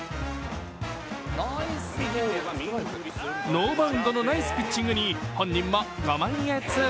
ノーバウンドのナイスピッチングに本人もご満悦。